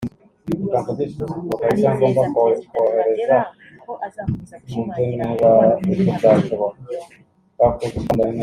anizeza Perezida Touadera ko azakomeza gushimangira umubano mwiza uri hagati y’ibihugu byombi